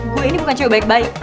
gue ini bukan cuma baik baik